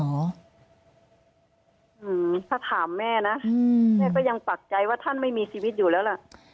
อืมถ้าถามแม่นะแม่ก็ยังปักใจว่าท่านไม่มีชีวิตอยู่แล้วล่ะ